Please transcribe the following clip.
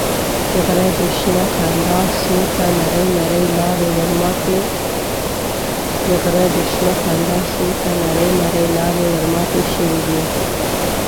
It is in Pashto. د غره د شنه خندا شور ته نرۍ نرۍ لارې ورماتې شوې دي.